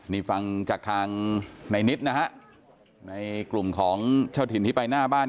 นี่ฟังจากทางในนิดนะฮะในกลุ่มของเจ้าถิ่นที่ไปหน้าบ้าน